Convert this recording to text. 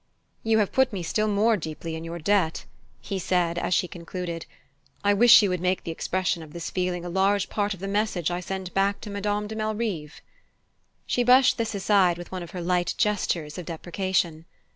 "You have put me still more deeply in your debt," he said, as she concluded; "I wish you would make the expression of this feeling a large part of the message I send back to Madame de Malrive." She brushed this aside with one of her light gestures of deprecation.